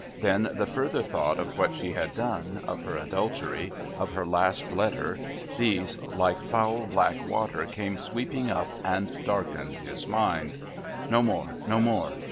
Then the further thought of what she had done, of her adultery, of her last letter, these like foul black water came sweeping up and darkened his mind.... No more. No more.